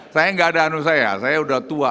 saya nggak ada anu saya saya udah tua